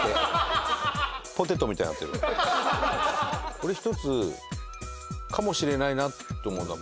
俺１つかもしれないなって思うのは。